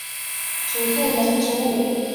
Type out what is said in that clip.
祖父杨祖武。